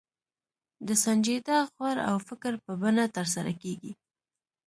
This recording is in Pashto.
د سنجیده غور او فکر په بڼه ترسره کېږي.